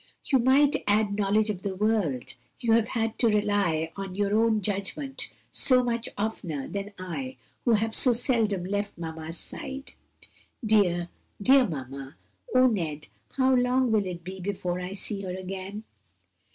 "You might add knowledge of the world, you have had to rely on your own judgment so much oftener than I who have so seldom left mamma's side. Dear, dear mamma! Oh, Ned, how long will it be before I see her again?"